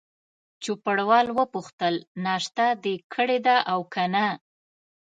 چوپړوال وپوښتل: ناشته دي کړې ده او که نه؟